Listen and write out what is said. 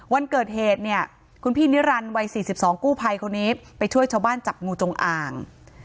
วันเกิดเหตุเนี่ยคุณพี่นิรันดิ์วัย๔๒กู้ภัยคนนี้ไปช่วยชาวบ้านจับงูจงอ่าง